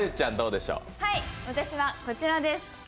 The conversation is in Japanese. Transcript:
私は、こちらです。